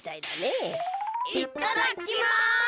いっただっきます！